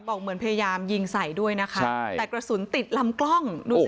บอกเหมือนพยายามยิงใส่ด้วยนะคะใช่แต่กระสุนติดลำกล้องดูสิ